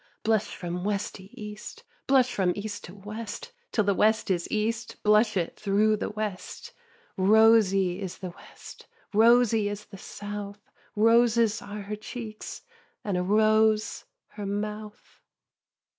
Blush from West to East, Blush from East to West, Till the West is East, Blush it thro' the West. Rosy is the West, Rosy is the South, Roses are her cheeks. And a rose her mouth.